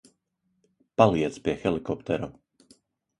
Paliec pie helikoptera.